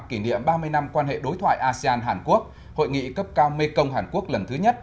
kỷ niệm ba mươi năm quan hệ đối thoại asean hàn quốc hội nghị cấp cao mekong hàn quốc lần thứ nhất